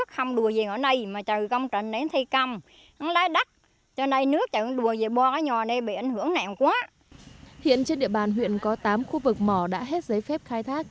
hiện trên địa bàn huyện có tám khu vực mỏ đã hết giấy phép khai thác